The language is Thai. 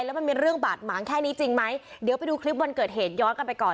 แล้วมันมีเรื่องบาดหมางแค่นี้จริงไหมเดี๋ยวไปดูคลิปวันเกิดเหตุย้อนกันไปก่อน